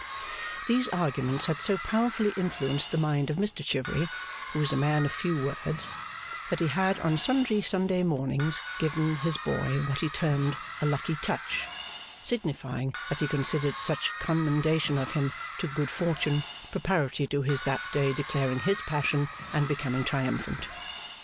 These arguments had so powerfully influenced the mind of Mr Chivery, who was a man of few words, that he had on sundry Sunday mornings, given his boy what he termed 'a lucky touch,' signifying that he considered such commendation of him to Good Fortune, preparatory to his that day declaring his passion and becoming triumphant.